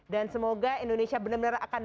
dan semoga indonesia benar benar akan